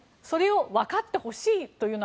それをわかってほしいと。